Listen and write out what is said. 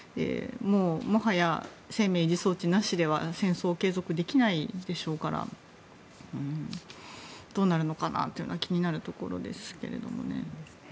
もはや、生命維持装置なしでは戦争を継続できないでしょうからどうなるのかなというのは気になるところですけどね。